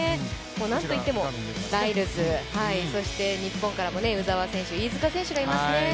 なんといってもライルズ選手、日本からの鵜澤選手、飯塚選手がいますね。